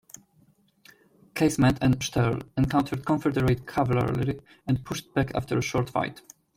Casement and Sterhl encountered Confederate cavalry and pushed it back after a short fight.